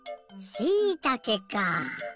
しいたけか！